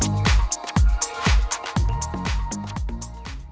agar dapat membuat laporan keuangan sesuai persyaratan bank